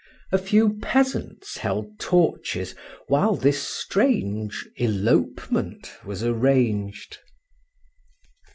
A few peasants held torches while this strange elopement was arranged.